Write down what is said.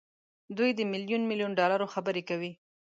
دوی د ميليون ميليون ډالرو خبرې کوي.